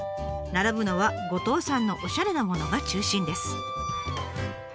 並ぶのは五島産のおしゃれなものが中心です。